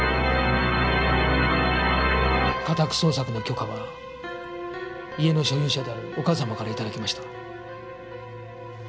家宅捜索の許可は家の所有者であるお母様から頂きました。